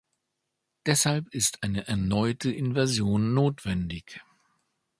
Deshalb ist eine erneute Invasion notwendig.